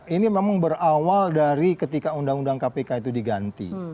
ini memang berawal dari ketika undang undang kpk itu diganti